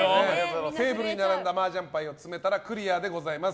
テーブルに並んだマージャン牌を積めたらクリアでございます。